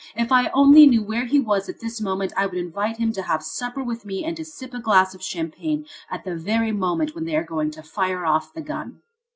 If I only knew where he was at this moment I would invite him to have supper with me and to sip a glass of champagne at the very moment when they are going to fire off the gun."